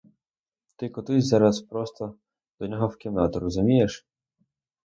Ти котись зараз просто до нього в кімнату, розумієш?